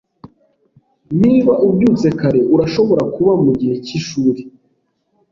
Niba ubyutse kare, urashobora kuba mugihe cyishuri.